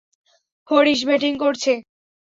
Harish batting করছে।